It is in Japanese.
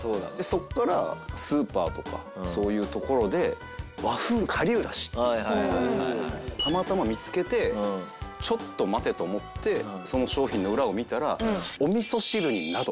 そこからスーパーとかそういう所で和風顆粒だしたまたま見つけて「ちょっと待て」と思ってその商品の裏を見たらお味噌汁になど。